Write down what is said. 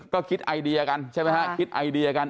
ก็คิดไอเดียกันใช่ไหมฮะคิดไอเดียกัน